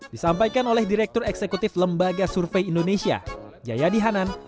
disampaikan oleh direktur eksekutif lembaga survei indonesia jayadi hanan